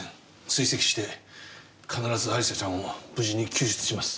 追跡して必ず亜里沙ちゃんを無事に救出します。